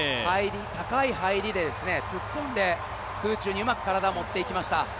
高い入りで突っ込んで空中にうまく体を持っていきました。